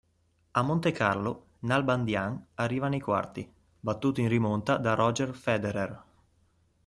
A Montecarlo Nalbandian arriva nei quarti, battuto in rimonta da Roger Federer.